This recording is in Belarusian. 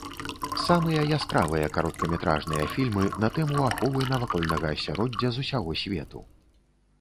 Самыя яскравыя кароткаметражныя фільмы на тэму аховы навакольнага асяроддзя з усяго свету.